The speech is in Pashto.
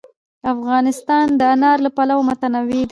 افغانستان د انار له پلوه متنوع دی.